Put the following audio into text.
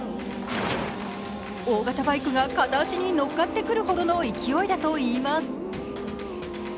大型バイクが片足に乗っかってくるほどの勢いだといいます。